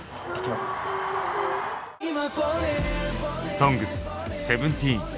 「ＳＯＮＧＳ」ＳＥＶＥＮＴＥＥＮ